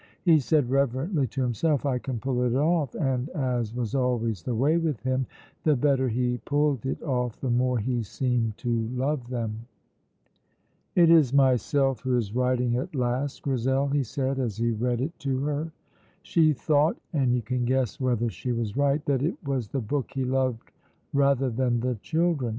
He said reverently to himself, "I can pull it off," and, as was always the way with him, the better he pulled it off the more he seemed to love them. "It is myself who is writing at last, Grizel," he said, as he read it to her. She thought (and you can guess whether she was right) that it was the book he loved rather than the children.